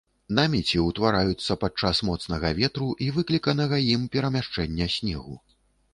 Намеці ўтвараюцца падчас моцнага ветру і выкліканага ім перамяшчэння снегу.